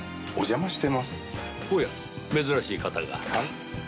おや、珍しい方が。